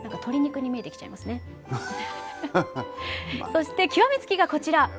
そして極め付きがこちら！